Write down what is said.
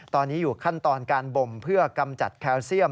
ตอนนี้อยู่ขั้นตอนการบ่มเพื่อกำจัดแคลเซียม